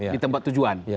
di tempat tujuan